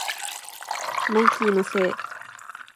マイキーのせい